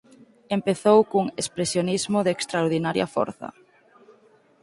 Empezou cun expresionismo de extraordinaria forza.